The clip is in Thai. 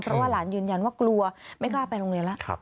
เพราะว่าหลานยืนยันว่ากลัวไม่กล้าไปโรงเรียนแล้ว